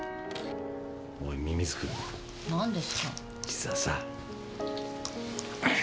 実はさ。